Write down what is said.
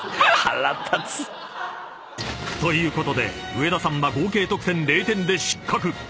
［ということで上田さんは合計得点０点で失格］